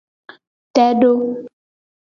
Te do.